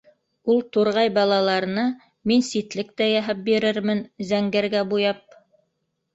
- Ул турғай балаларына мин ситлек тә яһап бирермен, зәңгәргә буяп.